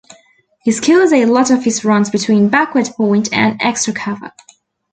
He scores a lot of his runs between backward point and extra cover.